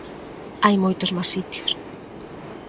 Hai moitos máis sitios.